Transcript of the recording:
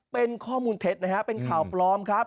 เป็นข้อมูลเท็จนะฮะเป็นข่าวปลอมครับ